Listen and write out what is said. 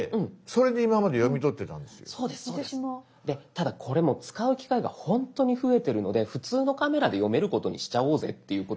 ただこれもう使う機会がほんとに増えてるので普通のカメラで読めることにしちゃおうぜっていうことで。